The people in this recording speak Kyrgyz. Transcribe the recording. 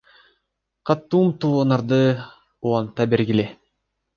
Катуу умтулууңарды уланта бергиле!